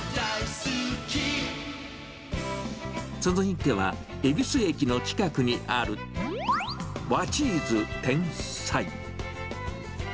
続いては、恵比寿駅の近くにある和チーズテンサイ。